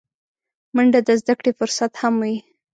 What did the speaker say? منډه د زدهکړې فرصت هم وي